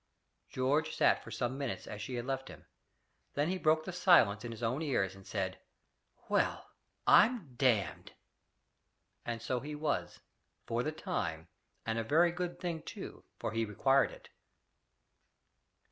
George sat for some minutes as she had left him. Then he broke the silence in his own ears and said, "Well, I'm damned!" And so he was for the time and a very good thing too, for he required it.